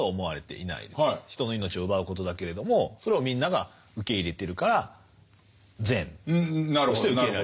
人の命を奪うことだけれどもそれをみんなが受け入れてるから善として受け入れられてる。